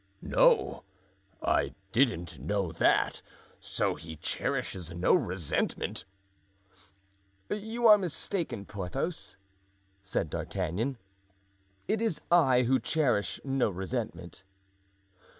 "No, I didn't know that. So he cherishes no resentment?" "You are mistaken, Porthos," said D'Artagnan. "It is I who cherish no resentment."